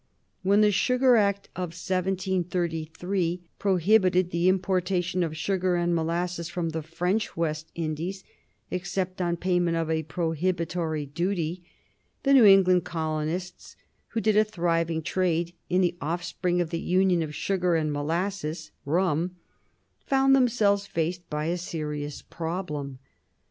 When the Sugar Act of 1733 prohibited the importation of sugar and molasses from the French West Indies except on payment of a prohibitory duty, the New England colonists, who did a thriving trade in the offspring of the union of sugar and molasses, rum, found themselves faced by a serious problem.